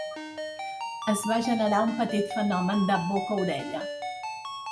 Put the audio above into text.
Es va generar un petit fenomen de boca-orella.